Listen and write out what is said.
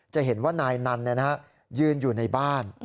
จะเห็นว่านายนันยืนอยู่ในบ้าน